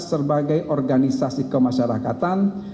sebagai organisasi kemasyarakatan